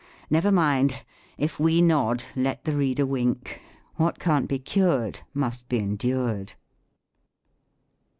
Never mind. If we nod, let the reader wink. What can't be cured must be endured.